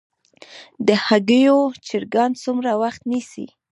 د هګیو چرګان څومره وخت نیسي؟